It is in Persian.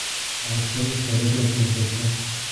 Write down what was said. حرفهای خارج از نزاکت